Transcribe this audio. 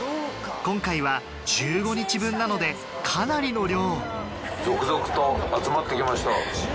今回は１５日分なのでかなりの量続々と集まって来ました。